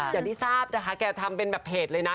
อย่างที่ทราบนะคะแกทำเป็นแบบเพจเลยนะ